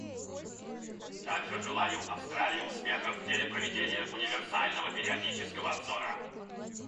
Также желаю Австралии успехов в деле проведения универсального периодического обзора.